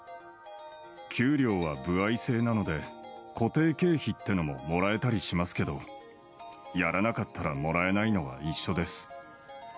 給料は歩合制なので、固定経費ってのももらえたりしますけど、やらなかったらもらえないのは一緒です。